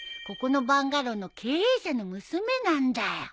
ここのバンガローの経営者の娘なんだよ。